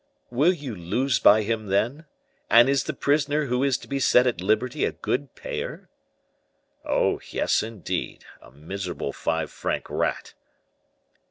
"Will you lose by him, then? And is the prisoner who is to be set at liberty a good payer?" "Oh, yes, indeed! a miserable, five franc rat!"